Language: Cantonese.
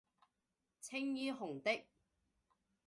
青衣紅的